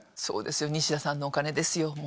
そうですよ西田さんのお金ですよ